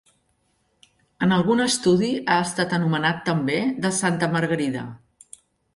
En algun estudi ha estat anomenat també de Santa Margarida.